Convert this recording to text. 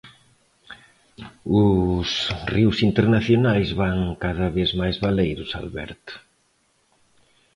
Os ríos internacionais van cada vez máis baleiros, Alberto...